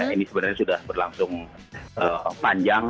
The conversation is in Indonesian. ini sebenarnya sudah berlangsung panjang